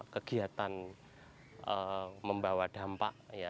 kegiatan membawa dampak